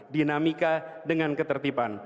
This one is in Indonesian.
dinamika dengan ketertiban